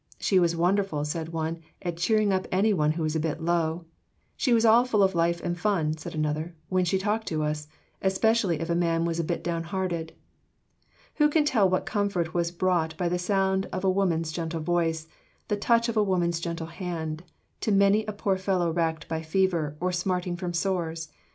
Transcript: "She was wonderful," said one, "at cheering up any one who was a bit low," "She was all full of life and fun," said another, "when she talked to us, especially if a man was a bit down hearted." Who can tell what comfort was brought by the sound of a woman's gentle voice, the touch of a woman's gentle hand, to many a poor fellow racked by fever, or smarting from sores?